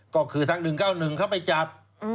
ก็คือทาง๑๙๑เขาไปจับ